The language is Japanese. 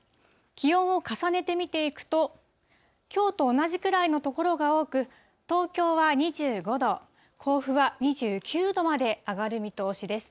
気温を重ねて見ていくと、きょうと同じくらいの所が多く、東京は２５度、甲府は２９度まで上がる見通しです。